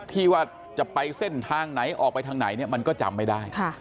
ที่จะไปเส้นทางไหนออกไปทางไหนเนี่ยมันก็จำไม่ได้